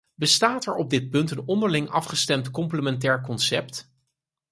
Bestaat er op dit punt een onderling afgestemd complementair concept?